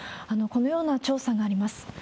このような調査があります。